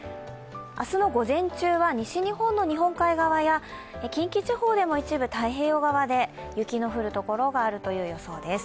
明日の午前中は西日本の日本海側や近畿地方でも一部太平洋側で雪の降るところがあるという予想です。